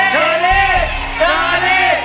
เชลลี่เชลลี่